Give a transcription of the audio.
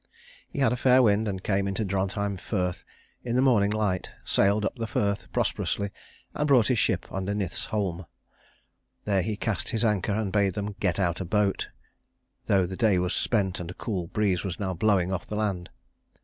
He had a fair wind and came into Drontheim Firth in the morning light, sailed up the firth prosperously and brought his ship to under Nith's holm. There he cast his anchor, and bade them get out a boat, though the day was spent and a cool breeze was now blowing off the land.